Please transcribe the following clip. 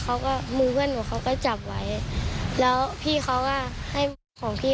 ตอนพวกหนูเปิดซิฟต์ดูกันพี่นะพี่เขาบอกก็ปิดดิ